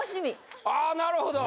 ああなるほど。